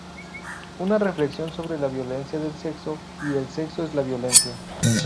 Una reflexión sobre la violencia del sexo y el sexo en la violencia.